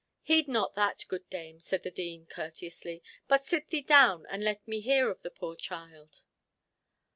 "Heed not that, good dame," said the Dean, courteously, "but sit thee down and let me hear of the poor child."